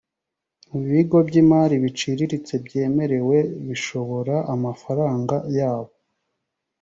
ibigo by’imari biciriritse byemerewe bishobora amafaranga yabo